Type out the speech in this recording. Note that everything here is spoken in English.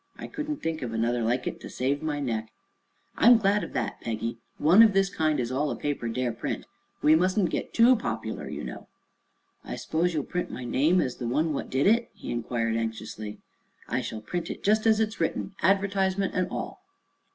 I couldn't think of another like it to save my neck." "I am glad of that, Peggy. One of this kind is all a paper dare print. We mustn't get too popular, you know." "I s'pose you'll print my name as the one what did it?" he inquired anxiously. "I shall print it just as it's written, advertisement and all."